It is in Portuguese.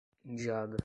Indiada